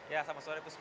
ya selamat sore puspa